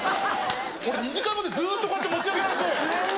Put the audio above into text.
俺２次会までずっとこうやって持ち上げられて。